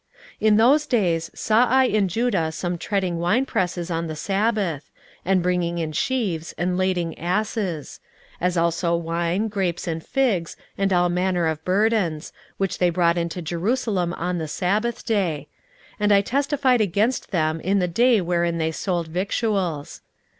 16:013:015 In those days saw I in Judah some treading wine presses on the sabbath, and bringing in sheaves, and lading asses; as also wine, grapes, and figs, and all manner of burdens, which they brought into Jerusalem on the sabbath day: and I testified against them in the day wherein they sold victuals.